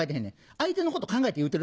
相手のこと考えて言うてる？